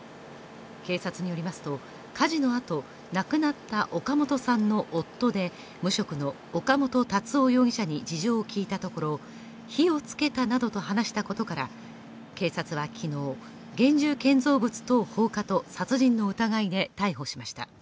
警察によりますと、火事のあと亡くなった岡本さんの夫で無職の岡本達男容疑者に事情を聞いたところ火をつけたなどと話したことから警察は昨日、現住建造物等放火と殺人の疑いで逮捕しました。